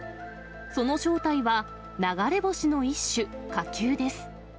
その正体は流れ星の一種、火球です。